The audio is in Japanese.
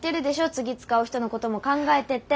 次使う人のことも考えてって。